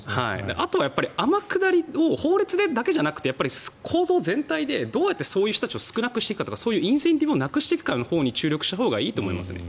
あとは天下りを法律だけじゃなくて構造全体でどうやってそういう人たちを少なくしていくかとかそういうインセンティブをなくしていくかに注力していったほうがいいと思います。